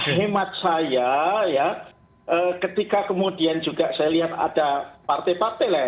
nah saya lihat saya ya ketika kemudian juga saya lihat ada partai partai lah ya